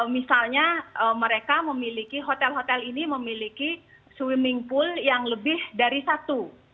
misalnya mereka memiliki hotel hotel ini memiliki swimming pool yang lebih dari satu